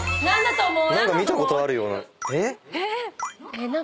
何か見たことあるような。